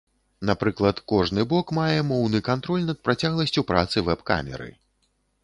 Напрыклад, кожны бок мае моўны кантроль над працягласцю працы вэб-камеры.